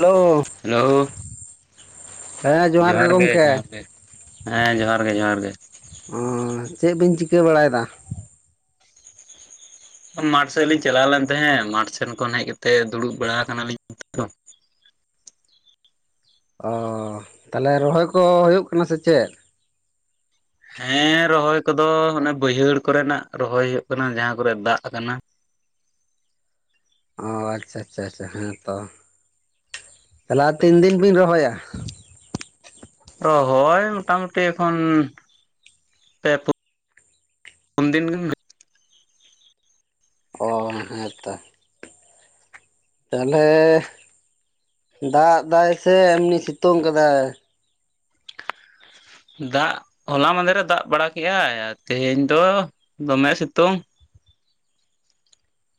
Hello hello ᱡᱚᱦᱟᱨ ᱜᱮ ᱡᱚᱦᱟᱨ ᱜᱮ ᱦᱮᱸ ᱡᱚᱦᱟᱨ ᱜᱮ ᱡᱚᱦᱟᱨ ᱜᱮ ᱮᱸ ᱪᱮᱫ ᱵᱤᱱ ᱪᱤᱠᱟᱹ ᱵᱟᱲᱟᱭᱮᱫᱟ? ᱢᱟᱴᱷ ᱥᱮᱜ ᱞᱤᱧ ᱪᱟᱞᱟᱣ ᱞᱮᱱ ᱛᱟᱦᱮᱸᱫ ᱢᱟᱴᱷ ᱥᱮᱫ ᱠᱷᱚᱱ ᱦᱮᱡ ᱠᱟᱛᱮ ᱫᱩᱲᱩᱵ ᱵᱟᱲᱟ ᱟᱠᱟᱱᱟᱞᱤᱧ ᱫᱚ ᱚ ᱛᱟᱦᱚᱞᱮ ᱨᱚᱦᱚᱭ ᱠᱚ ᱦᱩᱭᱩᱜ ᱠᱟᱱᱟ ᱥᱮ ᱪᱮᱫ? ᱦᱮᱸ ᱨᱚᱦᱚᱭ ᱠᱚᱫᱚ ᱚᱱᱮ ᱵᱟᱹᱭᱦᱟᱹᱲ ᱠᱚᱨᱮᱱᱟᱜ ᱨᱚᱦᱚᱭ ᱦᱩᱭᱩᱜ ᱠᱟᱱᱟ ᱡᱟᱦᱟᱸ ᱠᱚᱨᱮ ᱫᱟᱜ ᱟᱠᱟᱱᱟ ᱚ ᱟᱪᱷᱟ ᱟᱪᱷᱟ ᱪᱷᱟ ᱦᱮᱸ ᱛᱚ ᱛᱟᱦᱚᱞᱮ ᱛᱤᱱ ᱫᱤᱱ ᱵᱤᱱ ᱨᱚᱦᱚᱭᱟ? ᱨᱚᱦᱚᱭ ᱢᱚᱴᱟ ᱢᱩᱴᱤ ᱮᱠᱷᱚᱱ ᱯᱮ ᱯᱩᱱ ᱯᱩᱱᱫᱤᱱ ᱜᱮᱢ ᱚ ᱦᱮᱸᱛᱚ ᱛᱟᱦᱚᱞᱮ ᱫᱟᱜ ᱫᱟᱭ ᱥᱮ ᱮᱢᱱᱤ ᱥᱤᱛᱩᱝ ᱠᱟᱫᱟᱭ ᱫᱟᱜ ᱦᱚᱞᱟ ᱢᱟᱸᱫᱷᱮᱨ ᱨᱮ ᱫᱟᱜ ᱵᱟᱲᱟ ᱠᱮᱫᱟᱭ ᱛᱮᱦᱮᱧ ᱫᱚ ᱫᱚᱢᱮ ᱥᱤᱛᱩᱝ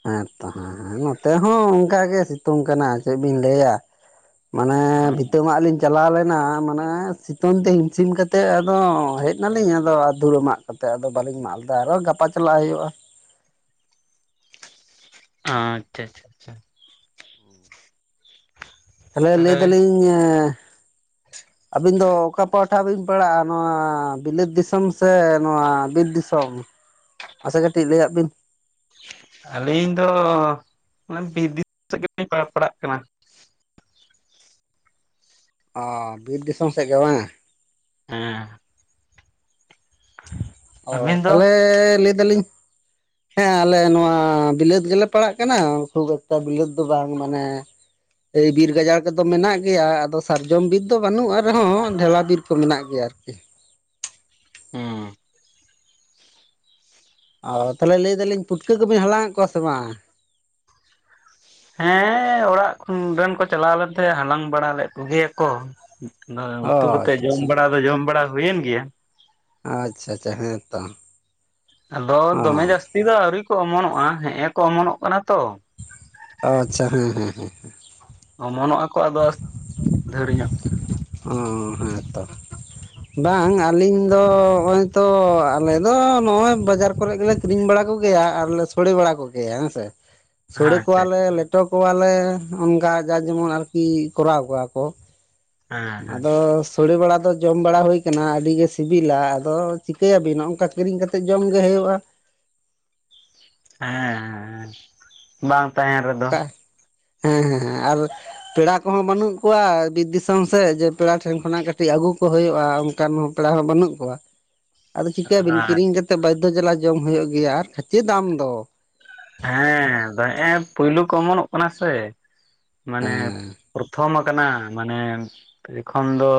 ᱦᱮᱸᱛᱚ ᱦᱮᱸ ᱦᱮᱸ ᱱᱚᱛᱮ ᱦᱚᱸ ᱚᱱᱠᱟᱜᱮ ᱥᱤᱛᱩᱝ ᱠᱟᱱᱟ ᱪᱮᱫ ᱵᱤᱱ ᱞᱟᱹᱭᱟ ᱢᱟᱱᱮ ᱯᱷᱤᱛᱟᱹ ᱢᱟᱜ ᱞᱤᱧ ᱪᱟᱞᱟᱣ ᱞᱮᱱᱟ ᱢᱟᱱᱮ ᱥᱤᱛᱩᱝ ᱛᱮ ᱦᱤᱢᱥᱤᱢ ᱠᱟᱛ ᱟᱫᱚ ᱦᱮᱡ ᱱᱟᱞᱤᱧ ᱟᱫᱚ ᱫᱷᱲᱟ ᱢᱟᱜ ᱠᱟᱛᱮᱫ ᱟᱫᱚ ᱵᱟᱹᱞᱤᱧ ᱢᱟᱜ ᱞᱮᱫᱟ ᱟᱨᱚ ᱜᱟᱯᱟ ᱪᱟᱞᱟᱜ ᱦᱩᱭᱩᱜ-ᱟ ᱟᱪᱷᱟ ᱟᱪᱷᱟ ᱟᱪᱷᱟ ᱛᱟᱞᱦᱮ ᱞᱟᱹᱭ ᱛᱟᱦᱚᱞᱮ ᱫᱟᱞᱤᱧ ᱟᱹᱵᱤᱱ ᱫᱚ ᱚᱠᱟ ᱯᱟᱦᱴᱟ ᱵᱤᱱ ᱯᱟᱲᱟᱜ-ᱟ ᱱᱚᱣᱟ ᱵᱤᱞᱟᱹᱛ ᱫᱤᱥᱚᱢ ᱥᱮ ᱱᱚᱣᱟ ᱵᱤᱨ ᱫᱤᱥᱚᱢ ᱟᱪᱮ ᱠᱟᱹᱴᱤᱡ ᱞᱟᱹᱭ ᱟᱜ ᱵᱤᱱ ᱟᱹᱞᱤᱧ ᱫᱚ ᱵᱤᱨ ᱫᱤ ᱥᱮᱫ ᱜᱮᱞᱤᱧ ᱯᱟᱲᱟᱜ ᱠᱟᱱᱟ ᱚ ᱵᱤᱨ ᱫᱤᱥᱚᱢ ᱥᱮᱫ ᱜᱮ ᱵᱟᱝ ᱦᱮᱸ ᱚ ᱟᱹᱵᱤᱱ ᱫᱚ ᱛᱟᱦᱞᱮ ᱞᱟᱹᱭ ᱫᱟᱞᱤᱧ ᱦᱮᱸ ᱟᱞᱮ ᱱᱚᱣᱟ ᱵᱤᱞᱟᱹᱛ ᱜᱮᱞᱮ ᱯᱟᱲᱟᱜ ᱠᱟᱱᱟ ᱠᱷᱩᱵ ᱮᱠᱴᱟ ᱵᱤᱞᱟᱹᱛ ᱫᱚ ᱵᱟᱝ ᱢᱟᱱᱮ ᱮᱭ ᱵᱤᱨ ᱜᱟᱡᱟᱲ ᱠᱚᱫᱚ ᱢᱮᱱᱟᱜ ᱜᱮᱭᱟ ᱟᱫᱚ ᱥᱟᱨᱡᱚᱢ ᱵᱤᱨ ᱫᱚ ᱵᱟᱹᱱᱩᱜᱼᱟ ᱨᱮᱦᱚᱸ ᱰᱷᱮᱞᱟ ᱵᱤᱨ ᱠᱚ ᱢᱮᱱᱟᱜ ᱜᱮᱭᱟ ᱟᱨᱠᱤ ᱦᱩᱸ ᱚ ᱛᱟᱦᱚᱞᱮ ᱞᱟᱹᱭ ᱫᱟᱞᱤᱧ ᱯᱷᱩᱴᱠᱟᱹ ᱠᱚᱵᱤᱱ ᱦᱟᱞᱟᱝ ᱮᱫ ᱠᱚᱣᱟ ᱥᱮ ᱵᱟᱝ ᱦᱮᱸ ᱚᱲᱟᱜ ᱨᱮᱱ ᱠᱚ ᱪᱟᱞᱟᱣ ᱞᱮ ᱛᱟᱦᱮᱸ ᱦᱟᱞᱟᱝ ᱵᱟᱲᱟ ᱞᱮᱫ ᱠᱚᱜᱮᱭᱟ ᱠᱚ ᱟᱫᱚ ᱚ ᱩᱛᱩ ᱠᱟᱛᱮᱜ ᱡᱚᱢ ᱟᱪᱪᱷᱟ ᱵᱟᱲᱟ ᱫᱚ ᱡᱚᱢ ᱵᱟᱲᱟ ᱦᱩᱭᱮᱱ ᱜᱮᱭᱟ ᱟᱪᱷᱟ ᱟᱪᱷᱟ ᱦᱮᱸ ᱛᱚ ᱟᱫᱚ ᱚ ᱫᱚᱢᱮ ᱡᱟᱹᱥᱛᱤ ᱫᱚ ᱟᱹᱣᱨᱤ ᱠᱚ ᱚᱢᱚᱱᱚᱜ-ᱟ ᱦᱮᱸᱜ-ᱮ ᱠᱚ ᱚᱢᱚᱱᱚᱜ ᱠᱟᱱᱟ ᱛᱚ ᱟᱪᱪᱷᱟ ᱦᱮᱸᱮᱸᱮ ᱚᱢᱚᱱᱚᱜ ᱟᱠᱚ ᱟᱫᱚ ᱫᱷᱟᱹᱲ ᱧᱚᱜ ᱚ ᱦᱮᱸᱛᱚ ᱵᱟᱝ ᱟᱹᱞᱤᱧ ᱫᱚ ᱱᱚᱜᱼᱚᱭ ᱛᱚ ᱟᱞᱮ ᱫᱚ ᱱᱚᱜᱼᱚᱭ ᱵᱟᱡᱟᱨ ᱠᱚᱨᱮ ᱜᱮᱞᱮ ᱟᱹᱠᱷᱤᱨᱤᱧ ᱵᱟᱲᱟ ᱠᱚᱜᱮᱭᱟ ᱟᱨ ᱞᱮ ᱥᱲᱮ ᱵᱟᱲᱟ ᱠᱚᱜᱮᱭᱟ ᱦᱮᱸ ᱥᱮ ᱥᱚᱲᱟᱹ ᱟᱪᱪᱷᱟ ᱠᱚᱣᱟᱞᱮ ᱞᱮᱴᱚ ᱠᱚᱣᱟᱞᱮ ᱚᱱᱠᱟ ᱡᱟ ᱡᱮᱢᱚᱱ ᱟᱨᱠᱤ ᱠᱚᱨᱟᱣ ᱠᱚᱣᱟ ᱠᱚ ᱦᱮᱸ ᱦᱮᱸ ᱟᱫᱚ ᱛᱳᱲᱮ ᱵᱟᱲᱟ ᱫᱚ ᱡᱚᱢ ᱵᱟᱲᱟ ᱦᱩᱭ ᱠᱟᱱᱟ ᱟᱹᱰᱤᱜᱮ ᱥᱤᱵᱤᱞᱟ ᱟᱫᱚ ᱪᱤᱠᱟᱹᱭᱟᱵᱤᱱ ᱱᱚᱜᱝᱠᱟ ᱠᱤᱨᱤᱧ ᱠᱟᱛᱮᱫ ᱡᱚᱢᱜᱮ ᱦᱩᱭᱩᱜᱼᱟ ᱦᱮᱸ ᱦᱮ ᱵᱟᱝ ᱛᱟᱦᱮᱸ ᱦᱮᱸ ᱦᱮᱸ ᱦᱮᱸ ᱟᱨ ᱯᱮᱲᱟ ᱠᱚᱦᱚᱸ ᱵᱟᱹᱱᱩᱜ ᱠᱚᱣᱟ ᱵᱤᱨ ᱫᱤᱥᱚᱢ ᱥᱮᱫ ᱡᱮ ᱯᱮᱲᱟ ᱴᱷᱮᱱ ᱠᱷᱚᱱᱟᱜ ᱠᱟᱹᱴᱤᱡ ᱟᱹᱜᱩ ᱠᱚ ᱦᱩᱭᱩᱜᱼᱟ ᱚᱱᱠᱟᱱ ᱦᱚᱸ ᱵᱟ ᱯᱮᱲᱟ ᱦᱚᱸ ᱵᱟᱹᱱᱩᱜ ᱠᱚᱣᱟ ᱟᱫᱚ ᱪᱤᱠᱟᱹᱭᱟᱵᱤᱱ ᱟᱨ ᱠᱤᱨᱤᱧ ᱠᱟ ᱠᱟᱛᱮᱫ ᱵᱟᱫᱽᱫᱷᱚ ᱡᱟᱞᱟ ᱡᱚᱢ ᱦᱩᱭᱩᱜ ᱜᱮᱭᱟ ᱟᱨ ᱠᱷᱟᱹᱪᱮ ᱫᱟᱢ ᱫᱚ ᱦᱮᱸ ᱦᱮᱸᱻ ᱯᱳᱭᱞᱩ ᱠᱚ ᱚᱢᱚᱱᱚᱜ ᱠᱟᱱᱟ ᱥᱮ, ᱢᱟᱱᱮᱻ ᱦᱮᱸ ᱯᱚᱨᱛᱷᱚᱢ ᱟᱠᱟᱱᱟ ᱢᱟᱱᱮ, ᱮᱠᱷᱚᱱ ᱫᱚ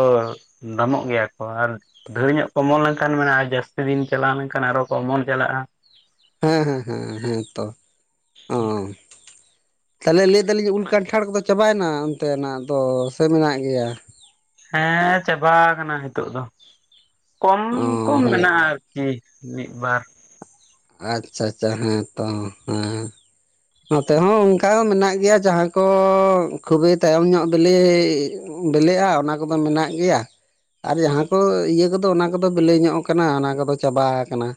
ᱫᱟᱢᱚᱜ ᱜᱮᱭᱟ ᱠᱚ ᱟᱨ ᱵᱷᱟᱹᱞᱤ ᱧᱚᱜ ᱠᱚᱢᱚᱞ ᱞᱮᱱᱠᱷᱟᱱ ᱢᱮᱱᱟᱜᱼᱟ, ᱡᱟᱹᱥᱛᱤ ᱫᱤᱱ ᱪᱟᱞᱟᱣ ᱞᱮᱱᱠᱷᱟᱱ ᱟᱨᱚ ᱠᱚᱢᱚᱞ ᱪᱟᱞᱟᱜᱼᱟ ᱦᱮᱸ ᱦᱮᱸ ᱦᱮᱸ ᱦᱮᱸ ᱛᱚ ᱚ ᱦᱮᱸ [inaudible] ᱛᱟᱦᱚᱞᱮ ᱞᱟᱹᱭ ᱫᱟᱞᱤᱧ ᱩᱞ ᱠᱟᱱᱴᱷᱟᱲ ᱠᱚᱫᱚ ᱪᱟᱵᱟᱭᱮᱱᱟ ᱚᱱᱛᱮᱱᱟᱜ ᱫᱚ ᱥᱮ ᱢᱮᱱᱟᱜ ᱜᱮᱭᱟ ᱦᱮᱸ ᱪᱟᱵᱟ ᱠᱟᱱᱟ ᱱᱤᱛᱚᱜᱜ ᱫᱚ ᱠᱚᱢ ᱚ ᱠᱚᱢ ᱦᱮᱸ ᱢᱮᱱᱟᱜᱼᱟ ᱟᱨᱠᱤ ᱢᱤᱫ ᱵᱟᱨ ᱟᱪᱷᱟ ᱟᱪᱷᱟ ᱦᱮᱸ ᱛᱚ ᱦᱮᱸ ᱱᱚᱛᱮ ᱦᱚᱸ ᱚᱱᱠᱟ ᱢᱮᱱᱟᱜ ᱜᱮᱭᱟ ᱡᱟᱦᱟᱸ ᱠᱚ ᱠᱷᱩᱵᱤ ᱛᱟᱭᱚᱢ ᱧᱚᱜ ᱵᱤᱞᱤ ᱵᱤᱞᱤᱜᱼᱟ ᱚᱱᱟ ᱠᱚᱫᱚ ᱢᱮᱱᱟᱜ ᱜᱮᱭᱟ ᱟᱨ ᱡᱟᱦᱟᱸ ᱠᱚ ᱤᱭᱟᱹ ᱠᱚᱫᱚ ᱚᱱᱟ ᱠᱚᱫᱚ ᱵᱤᱞᱤ ᱧᱚᱜ ᱟᱠᱟᱱᱟ ᱚᱱᱟ ᱠᱚᱫᱚ ᱪᱟᱵᱟ ᱟᱠᱟᱱᱟ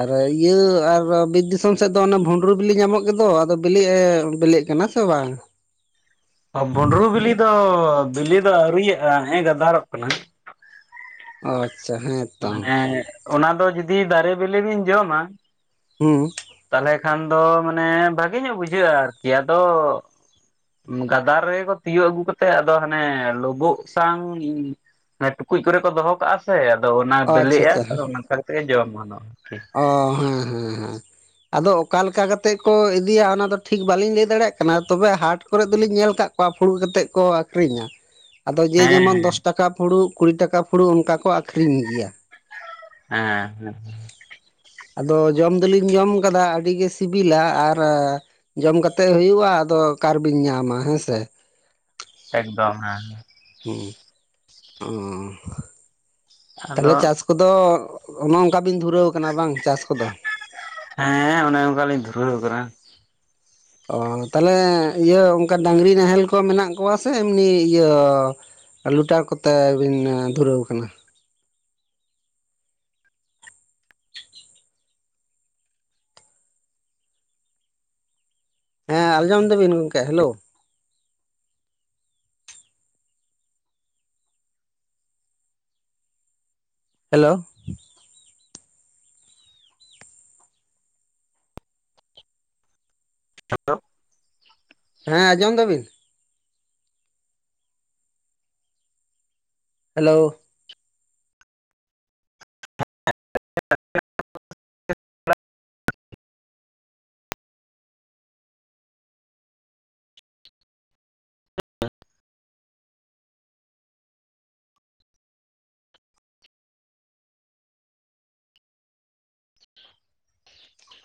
ᱟᱨ ᱤᱭᱟᱹ ᱟᱨ ᱵᱤᱨ ᱫᱤᱥᱚᱢ ᱥᱮᱫ ᱫᱚ ᱚᱱ ᱵᱷᱩᱸᱰᱨᱩ ᱵᱤᱞᱤ ᱧᱟᱢᱚᱜ ᱜᱤᱫᱚ ᱟᱫᱚ ᱵᱤᱞᱤᱜ ᱮ ᱵᱤᱞᱤᱜ ᱠᱟᱱᱟ ᱥᱮ ᱵᱟᱝ ᱵᱩᱸᱰᱨᱩ ᱵᱤᱞᱤ ᱫᱚ ᱵᱤᱞᱤ ᱫᱚ ᱟᱹᱨᱩᱭᱟᱜᱼᱟ ᱦᱮᱸ ᱜᱟᱫᱟᱨᱚᱜ ᱠᱟᱱᱟ ᱚ ᱟᱪᱪᱷᱟ ᱦᱮᱸ [inaudible] ᱛᱚ ᱢᱟᱱᱮ ᱚᱱᱟ ᱫᱚ ᱡᱩᱫᱤ, ᱫᱟᱨᱮ ᱵᱤᱞᱤ ᱵᱤᱱ ᱡᱚᱢᱟ ᱦᱩᱸ ᱛᱟᱦᱞᱮ ᱠᱷᱟᱱ ᱫᱚ ᱢᱟᱱᱮ ᱵᱷᱟᱜᱮ ᱧᱚᱜ ᱵᱩᱡᱷᱟᱹᱜᱼᱟ, ᱟᱨᱠᱤ ᱟᱫᱚᱻ ᱜᱟᱫᱟᱨ ᱨᱮᱠᱚ ᱛᱤᱭᱳᱟᱹᱜ ᱟᱹᱜᱩ ᱠᱟᱛᱮᱜ ᱟᱫᱚ ᱦᱟᱱᱮ, ᱞᱩᱵᱳᱩᱜ ᱥᱟᱣ ᱮ ᱴᱩᱠᱩᱡ ᱠᱚᱨᱮ ᱠᱚ ᱫᱚᱦᱚ ᱠᱟᱜᱼᱟ ᱥᱮ, ᱟᱫᱚ ᱚᱱᱟ ᱚ ᱟᱪᱪᱷᱟ ᱵᱤᱞᱤᱜᱼᱟ ᱟᱪᱪᱷᱟ ᱟᱫᱚ ᱚᱝᱠᱟ ᱠᱟᱛᱮ ᱜᱮ ᱡᱚᱢ ᱜᱟᱱᱚᱜᱼᱟ ᱚᱻ ᱦᱮᱸ ᱦᱮᱸ ᱦᱮᱸ ᱟᱫᱚ ᱚᱠᱟ ᱞᱮᱠᱟ ᱠᱟᱛᱮᱜ ᱠᱚ ᱤᱫᱤᱭᱟ, ᱚᱱᱟ ᱫᱚ ᱴᱷᱤᱠ ᱵᱟᱹᱞᱤᱧ ᱞᱟᱹᱭ ᱫᱟᱲᱮᱭᱟᱜ ᱠᱟᱱᱟ ᱛᱚᱵᱮ, ᱦᱟᱴ ᱠᱚᱨᱮ ᱫᱚᱞᱤᱧ ᱧᱮᱞ ᱠᱟᱜ ᱠᱚ ᱚᱠᱟ ᱯᱷᱩᱲᱩᱜ ᱠᱟᱛᱮᱫ ᱠᱚ ᱟᱹᱠᱷᱨᱤᱧᱟ ᱟᱫᱚ ᱡᱮ ᱦᱮᱸ ᱡᱮᱢᱚᱱ ᱫᱚᱥ ᱴᱟᱠᱟ ᱯᱷᱩᱲᱩᱜ, ᱠᱩᱲᱤ ᱴᱟᱠᱟ ᱯᱷᱩᱲᱩᱜ, ᱚᱱᱠᱟ ᱠᱚ ᱟᱠᱷᱨᱤᱧ ᱜᱮᱭᱟ ᱦᱮᱸ ᱦᱮᱸ ᱟᱫᱚ ᱡᱚᱢ ᱫᱚᱞᱤᱧ ᱡᱚᱢ ᱠᱟᱫᱟ, ᱟᱹᱰᱤᱜᱮ ᱥᱤᱵᱤᱞᱟ ᱟᱨ ᱡᱚᱢ ᱠᱟᱛᱮᱜ ᱦᱩᱭᱩᱜᱼᱟ, ᱟᱫᱚ ᱚᱠᱟᱨᱵᱤᱱ ᱧᱟᱢᱟ, ᱦᱮᱸᱥᱮ ᱮᱠᱫᱚᱢ ᱦᱮᱸ ᱦᱮᱸ ᱦᱩᱸ ᱚᱻ ᱛᱟᱞᱦᱮ ᱟᱫᱚ ᱪᱟᱥ ᱠᱚᱫᱚ, ᱚᱱᱮ ᱚᱱᱠᱟ ᱵᱤᱱ ᱫᱷᱩᱨᱟᱹᱣ ᱟᱠᱟᱱᱟ ᱵᱟᱝ, ᱪᱟᱥ ᱠᱚᱫᱚ ᱦᱮᱸᱻ ᱚᱱᱮ ᱚᱱᱠᱟᱞᱤᱧ ᱫᱷᱩᱨᱟᱹᱣ ᱠᱟᱱᱟ ᱚᱻ ᱛᱟᱞᱦᱮ ᱤᱭᱟᱹ ᱚᱱᱠᱟ ᱰᱟᱝᱨᱤ ᱱᱟᱦᱮᱞ ᱠᱚ ᱢᱮᱱᱟᱜ ᱠᱚᱣᱟ ᱥᱮ, ᱮᱢᱱᱤ ᱤᱭᱟᱹ ᱞᱩᱴᱟᱨ ᱠᱚᱛᱮ ᱵᱤᱱ ᱫᱷᱩᱨᱟᱹᱣ ᱟᱠᱟᱱᱟ ᱦᱮᱸ ᱟᱸᱡᱚᱢ ᱫᱟᱵᱤᱱ ᱜᱚᱢᱠᱮ ᱦᱮᱞᱳ ᱦᱮᱞᱳ ᱦᱮᱞᱳ ᱦᱮᱸ ᱟᱸᱡᱚᱢ ᱫᱟ ᱵᱤᱱ ᱦᱮᱞᱳ [unintelligible]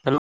ᱦᱮᱞᱳ